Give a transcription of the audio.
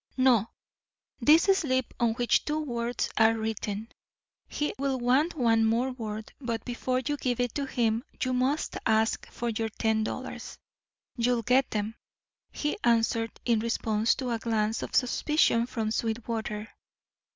"No, this slip on which two words are written. He will want one more word, but before you give it to him you must ask for your ten dollars. You'll get them," he answered in response to a glance of suspicion from Sweetwater.